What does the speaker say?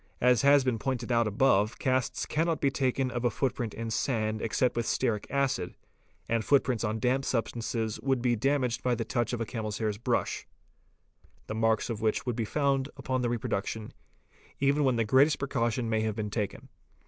As has been pointed out above casts cannot be taken of © a footprint in the sand except with stearic acid, and footprints on damp substances would be damaged by the touch of a camel's hair brush, the marks of which would be found upon the reproduction even when the greatest precaution may have been taken.